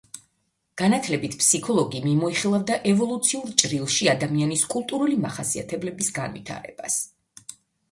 განათლებით ფსიქოლოგი მიმოიხილავდა ევოლუციურ ჭრილში ადამიანის კულტურული მახასიათებლების განვითარებას.